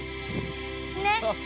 ねっ！